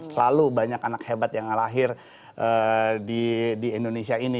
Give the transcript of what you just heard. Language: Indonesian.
selalu banyak anak hebat yang lahir di indonesia ini